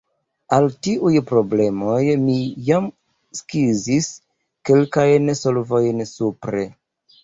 Al tiuj problemoj mi jam skizis kelkajn solvojn supre.